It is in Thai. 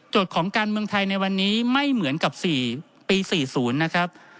ของการเมืองไทยในวันนี้ไม่เหมือนกับ๔ปี๔๐นะครับ